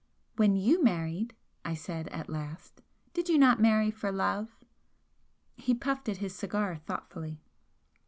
"When you married," I said, at last "did you not marry for love?" He puffed at his cigar thoughtfully.